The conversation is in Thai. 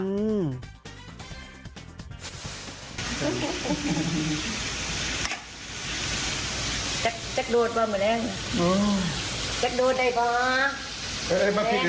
อันนี้นั่วนี่แซบนั่วบ่อย่างไง